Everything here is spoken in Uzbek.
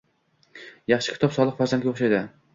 Yaxshi kitob solih farzandga o‘xshaydi.